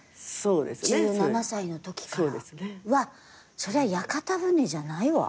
そりゃあ屋形船じゃないわ。